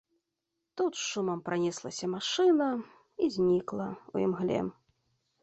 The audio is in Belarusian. Тут з шумам пранеслася машына і знікла ў імгле.